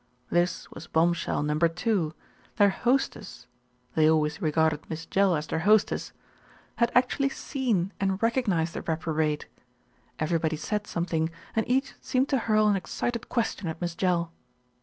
This was bombshell number two. Their hostess they always regarded Miss Jell as their hostess, had actually seen and recognised the reprobate. Every body said something, and each seemed to hurl an ex cited question at Miss Jell.